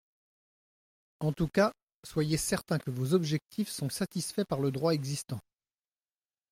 En tout cas, soyez certain que vos objectifs sont satisfaits par le droit existant.